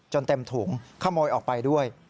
เต็มถุงขโมยออกไปด้วย